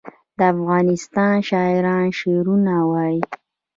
د افغانستان شاعران شعرونه وايي